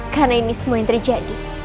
karena ini semua yang terjadi